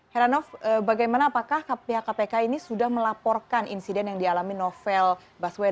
heranov bagaimana apakah pihak kpk ini sudah melaporkan insiden yang dialami novel baswedan